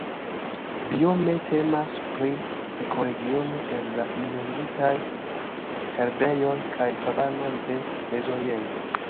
Biome temas pri ekoregiono el la inunditaj herbejoj kaj savanoj de Mezoriento.